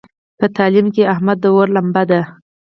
په تعلیم کې احمد د اور لمبه دی.